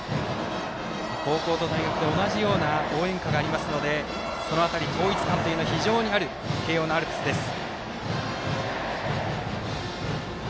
高校と大学で同じような応援歌がありますのでその辺り、統一感というのが非常にある、慶応のアルプスです。